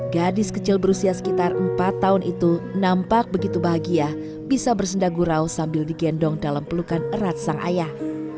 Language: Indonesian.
gadis kecil berusia sekitar empat tahun itu nampak begitu bahagia bisa bersendagurau sambil digendong dalam pelukan erat sang ayah